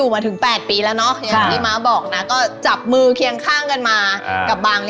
มองได้ใครละการก้าน